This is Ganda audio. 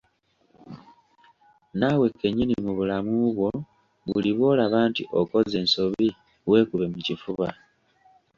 Naawe kennyini mu bulamu bwo buli lw'olaba nti okoze ensobi weekube mu kifuba.